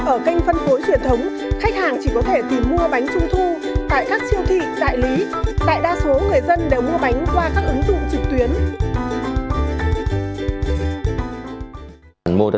ở kênh phân phối truyền thống khách hàng chỉ có thể tìm mua bánh trung thu tại các siêu thị